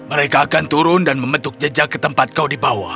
mereka akan turun dan membentuk jejak ke tempat kau dibawa